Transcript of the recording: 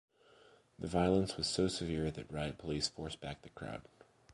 The violence was so severe that riot police forced back the crowd.